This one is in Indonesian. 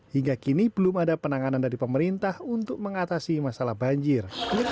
hingga kini belum ada penanganan dari pemerintah untuk mengatasi masalah banjir